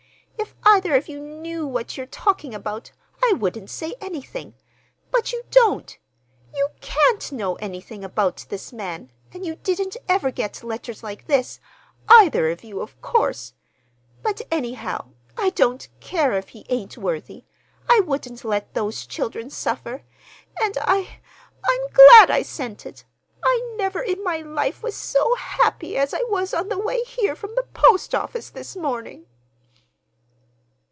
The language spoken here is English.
If either of you knew what you're talking about, I wouldn't say anything. But you don't. You can't know anything about this man, and you didn't ever get letters like this, either of you, of course. But, anyhow, I don't care if he ain't worthy. I wouldn't let those children suffer; and I—I'm glad I sent it. I never in my life was so happy as I was on the way here from the post office this morning."